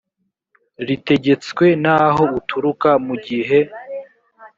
ritegetswe n aho uturuka mu gihe